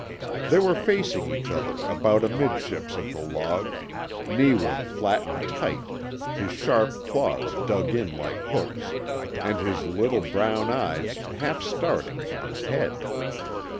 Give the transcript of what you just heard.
They were facing each other about amidships of the log, Neewa flattened tight, his sharp claws dug in like hooks, and his little brown eyes half starting from his head.